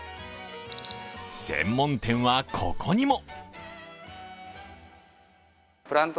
専門店は、ここにも。